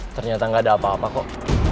ternyata nggak ada apa apa kok